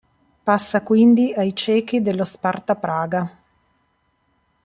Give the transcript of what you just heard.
Passa quindi ai cechi dello Sparta Praga.